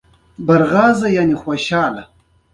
• لور د زړه د تسل راز دی.